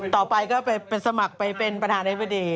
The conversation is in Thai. ต่อไปก็ไปสมัครไปเป็นประธานาธิบดี